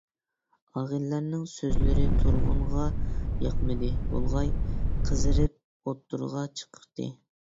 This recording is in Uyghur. ئاغىنىلەرنىڭ سۆزلىرى تۇرغۇنغا ياقمىدى بولغاي، قىزىرىپ ئوتتۇرىغا چىقتى.